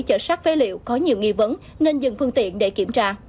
chở sát phế liệu có nhiều nghi vấn nên dừng phương tiện để kiểm tra